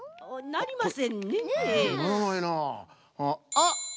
あっ！